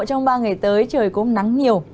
trong ba ngày tới trời cũng nắng nhiều